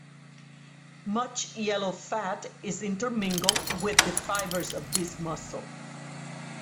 Much yellow fat is intermingled with the fibers of this muscle.